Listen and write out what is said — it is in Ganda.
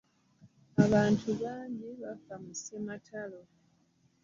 Abantu bangi baafa mu sematalo.